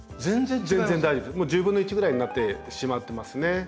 １０分の１ぐらいになってしまってますね。